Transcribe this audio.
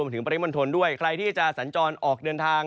ถึงปริมณฑลด้วยใครที่จะสัญจรออกเดินทาง